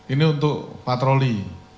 ini untuk patroli